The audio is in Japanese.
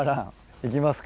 行きますか。